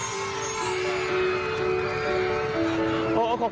แล้วก็กลายเป็นปม